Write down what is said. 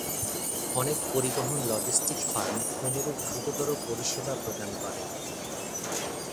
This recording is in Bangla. অনেক পরিবহন লজিস্টিক ফার্ম অনুরূপ দ্রুততর পরিষেবা প্রদান করে।